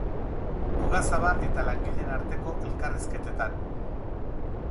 Ugazaba eta langileen arteko elkarrizketetan.